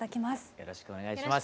よろしくお願いします。